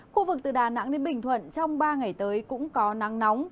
khu vực từ đà nẵng đến bình thuận trong ba ngày tới cũng có nắng nóng